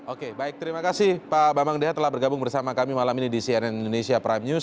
oke baik terima kasih pak bambang deha telah bergabung bersama kami malam ini di cnn indonesia prime news